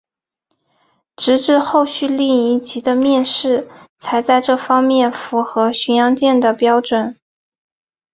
直至后续丽蝇级的面世才在这方面符合巡洋舰的标准。